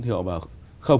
thì họ bảo không